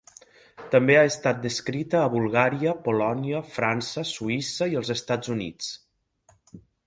També ha estat descrita a Bulgària, Polònia, França, Suïssa i els Estats Units.